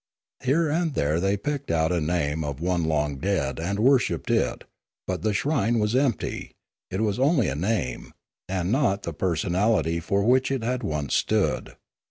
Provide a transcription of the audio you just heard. Here and there they picked out a name of one long dead and wor shipped it; but the shrine was empty; it was only a name, and not the personality for which it had once stood.